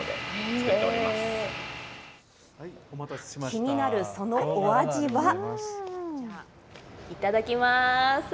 気になるそのお味は。